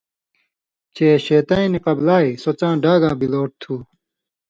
چے شېطَیں نی قبلائ، سو څاں ڈاگاں بِلوٹھ تھُو۔